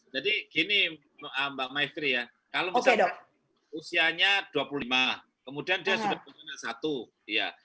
jadi gini mbak maifri ya kalau misalnya usianya dua puluh lima kemudian dia sudah berumur satu